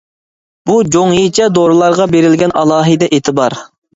بۇ جۇڭيىچە دورىلارغا بېرىلگەن ئالاھىدە ئېتىبار.